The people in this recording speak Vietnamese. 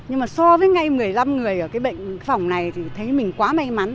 nhưng mà so với ngay một mươi năm người ở cái bệnh phòng này thì thấy mình quá may mắn